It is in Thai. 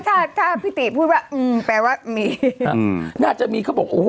ถ้าถ้าพี่ติพูดว่าอืมแปลว่ามีอืมน่าจะมีเขาบอกโอ้โห